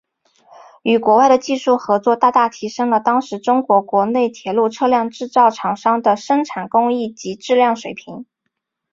与国外的技术合作大大提升了当时中国国内铁路车辆制造厂商的生产工艺及质量水平。